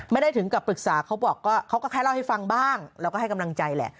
ถึงกับปรึกษาเขาบอกเขาก็แค่เล่าให้ฟังบ้างแล้วก็ให้กำลังใจแหละ